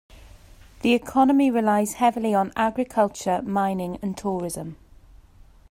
The economy relies heavily on agriculture, mining and tourism.